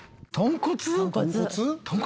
豚骨。